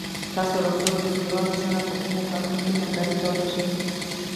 تاسو له خپلو ټولگيوالو سره په کومو کارونو کې همکاري کولای شئ؟